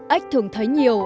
ếch thường thấy nhiều